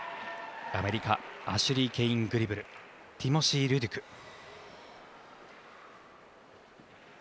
アメリカアシュリー・ケイングリブルティモシー・ルデュク。